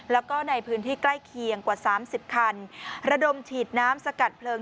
แล้วก็ในพื้นที่ใกล้เคียงกว่าสามสิบคันระดมฉีดน้ำสกัดเพลิง